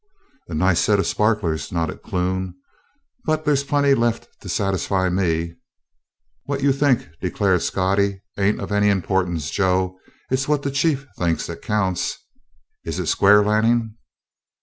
"A nice set of sparklers," nodded Clune, "but there's plenty left to satisfy me." "What you think," declared Scottie, "ain't of any importance, Joe. It's what the chief thinks that counts. Is it square, Lanning?"